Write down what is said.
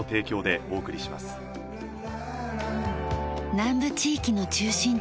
南部地域の中心地